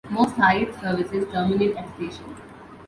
Most Hayate services terminate at station.